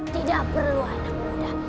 tidak perlu anak muda